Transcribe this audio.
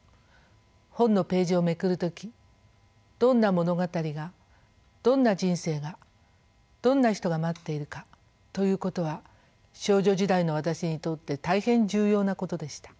本のページをめくる時どんな物語がどんな人生がどんな人が待っているかということは少女時代の私にとって大変重要なことでした。